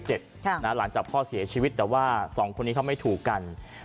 หลังจากพ่อเสียชีวิตแต่ว่าสองคนนี้เขาไม่ถูกกัน